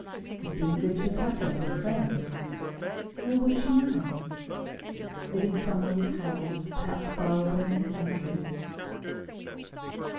It would have been good to have had her for a friend. Where was she now? Living somewhere with Harold, perhaps far away in the country.